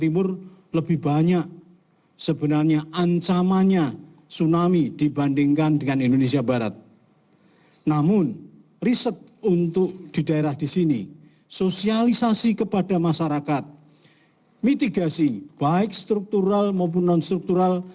menurut pokoknya instead pilot